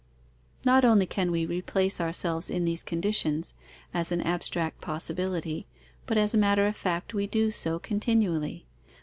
Not only can we replace ourselves in these conditions, as an abstract possibility, but as a matter of fact we do so continually.